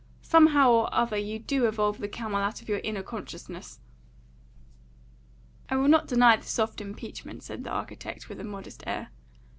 Somehow or other you do evolve the camel out of your inner consciousness." "I will not deny the soft impeachment," said the architect, with a modest air.